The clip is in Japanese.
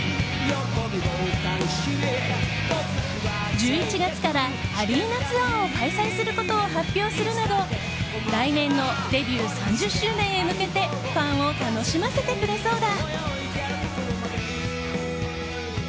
１１月からアリーナツアーを開催することを発表するなど来年のデビュー３０周年へ向けてファンを楽しませてくれそうだ。